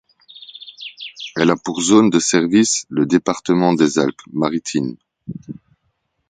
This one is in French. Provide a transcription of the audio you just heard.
Elle a pour zone de service le département des Alpes-Maritimes.